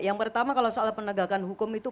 yang pertama kalau soal penegakan hukum itu